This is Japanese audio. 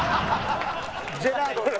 ジェラードンの。